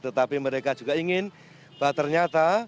tetapi mereka juga ingin bahwa ternyata